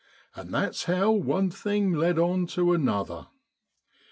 And that's how one thing led on to another.